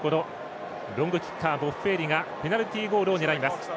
ロングキッカー、ボッフェーリがペナルティゴールを狙います。